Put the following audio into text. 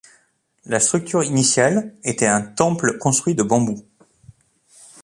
La structure initiale était un temple construit de bambou.